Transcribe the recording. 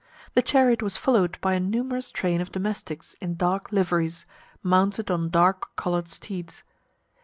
The chariot was followed by a numerous train of domestics in dark liveries, mounted on dark coloured steeds.